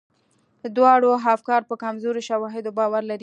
دواړه افکار په کمزورو شواهدو باور لري.